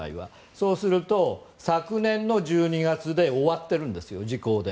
そうすると、昨年の１２月で終わってるんですよ、時効で。